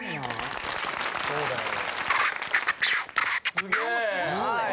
・すげえ！